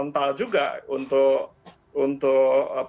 tapi juga di sisi lain itu bisa juga sangat sangat agresif